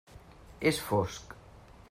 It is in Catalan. És fosc.